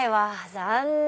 残念。